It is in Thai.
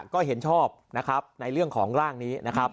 ก็เห็นชอบนะครับในเรื่องของร่างนี้นะครับ